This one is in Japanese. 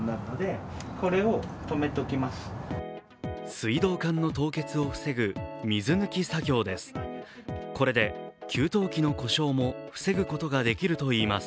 水道管の凍結を防ぐ水抜き作業です。